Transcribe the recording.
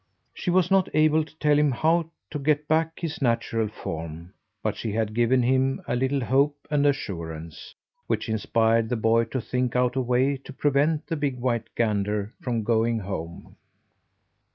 She was not able to tell him how to get back his natural form, but she had given him a little hope and assurance, which inspired the boy to think out a way to prevent the big white gander from going home.